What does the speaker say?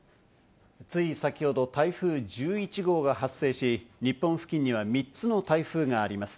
つい先ほど、台風１１号が発生し、日本付近には３つの台風があります。